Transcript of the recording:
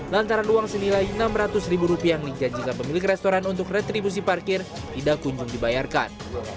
lantaran uang senilai rp enam ratus yang dijanjikan pemilik restoran untuk retribusi parkir tidak kunjung dibayarkan